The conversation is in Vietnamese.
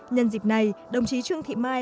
nhân dịp này đồng chí trương thị mai